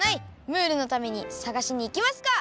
ムールのためにさがしにいきますか！